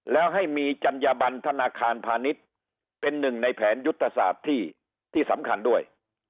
แล้วให้มีจัญญบันธนาคารพาณิชย์เป็นหนึ่งในแผนยุทธศาสตร์ที่สำคัญด้วย